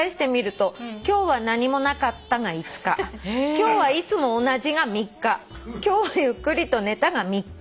「『今日はいつも同じ』が３日」「『今日はゆっくりと寝た』が３日」